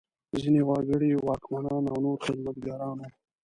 ځینې وګړي واکمنان او نور خدمتګاران وو.